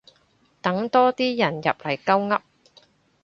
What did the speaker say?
等多啲人入嚟鳩噏